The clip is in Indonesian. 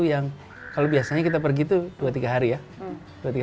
yang kalau biasanya kita pergi itu dua tiga hari ya